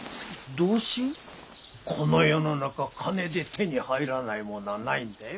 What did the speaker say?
この世の中金で手に入らないものはないんだよ。